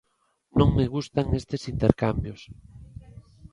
Non me gustan estes intercambios.